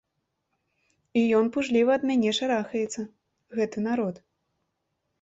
І ён пужліва ад мяне шарахаецца, гэты народ.